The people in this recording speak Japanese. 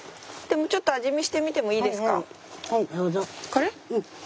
これ？